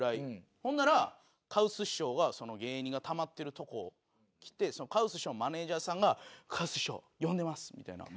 ほんならカウス師匠がその芸人がたまってるとこ来てカウス師匠のマネジャーさんが「カウス師匠呼んでます」みたいな。